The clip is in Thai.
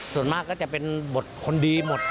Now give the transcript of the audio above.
ส่วนมากก็จะเป็นบทคนดีหมด